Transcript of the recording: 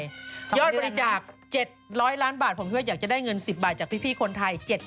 ยอดบริจาค๗๐๐ล้านบาทผมคิดว่าอยากจะได้เงิน๑๐บาทจากพี่คนไทย